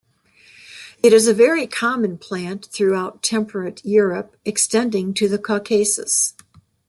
It is a very common plant throughout temperate Europe extending to the Caucasus.